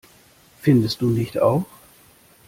Findest du nicht auch?